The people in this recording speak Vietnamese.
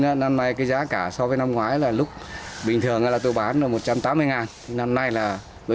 là năm nay cái giá cả so với năm ngoái là lúc bình thường là tôi bán là một trăm tám mươi ngàn năm nay là